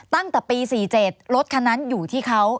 ตั้งแต่ปี๔๗รถคันนั้นอยู่ที่เขา